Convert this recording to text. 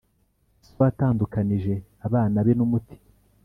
ese uwatandukanije abana be n'umuti